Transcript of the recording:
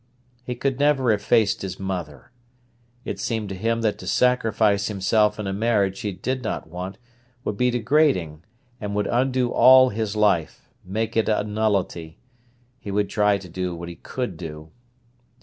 He could not have faced his mother. It seemed to him that to sacrifice himself in a marriage he did not want would be degrading, and would undo all his life, make it a nullity. He would try what he could do.